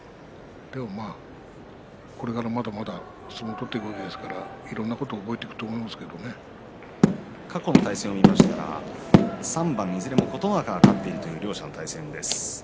これから、まだまだ相撲を取っていくわけですからいろんなことを覚えていくと過去の対戦を見ますと三番稽古でも琴ノ若が勝っているという両者の対戦です。